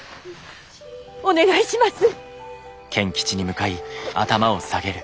お願いします！